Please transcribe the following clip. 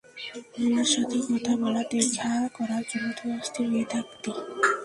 আমার সাথে কথা বলা, দেখা করার জন্য তুই অস্থির হয়ে থাকতি।